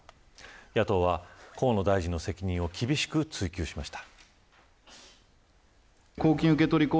野党は河野大臣の責任を厳しく追及しました。